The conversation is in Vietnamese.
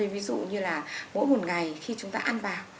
ví dụ như là mỗi một ngày khi chúng ta ăn vào